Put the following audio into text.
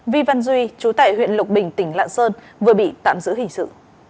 vi văn duy chú tại huyện lộc bình tỉnh lạng sơn vừa bị tạm giữ hình sự